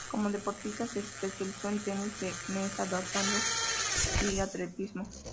Como deportista se especializó en tenis de mesa adaptado y atletismo.